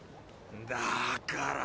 だから。